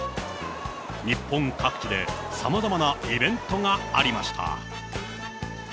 日本各地で、さまざまなイベントがありました。